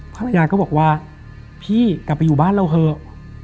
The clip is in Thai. ภรรยาก็บอกว่าพี่กลับไปอยู่บ้านเราเถอะ